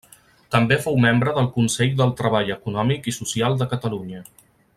També fou membre del Consell del Treball Econòmic i Social de Catalunya.